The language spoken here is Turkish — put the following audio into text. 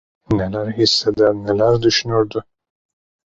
Neler hisseder, neler düşünürdü?